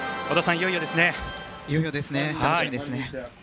いよいよですね楽しみですね。